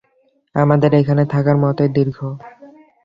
আমাদের এখানে থাকার মতই দীর্ঘ?